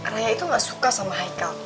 raya itu gak suka sama haikal